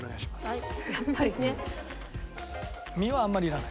はい。